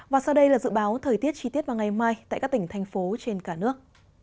và sau đây là dự báo thời tiết chi tiết vào ngày mai tại các tỉnh thành phố trên cả nước